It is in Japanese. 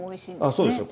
そうですよ。